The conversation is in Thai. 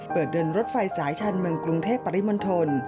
เดินรถไฟสายชานเมืองกรุงเทพปริมณฑล